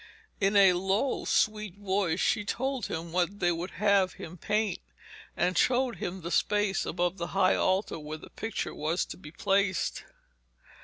In a low, sweet voice she told him what they would have him paint, and showed him the space above the high altar where the picture was to be placed.